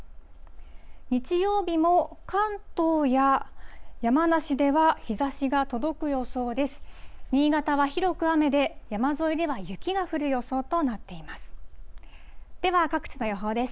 日曜日も関東や山梨では日ざしが届く予想です。